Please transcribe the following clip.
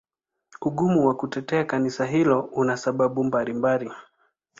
Ugumu wa kutetea Kanisa hilo una sababu mbalimbali.